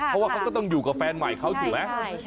เพราะว่าเขาก็ต้องอยู่กับแฟนใหม่เขาถูกไหม